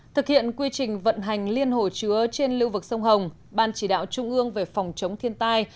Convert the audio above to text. thực hiện quy trình vận hành liên hồ chứa trên lưu vực sông hồng ban chỉ đạo trung ương về phòng chống thiên tai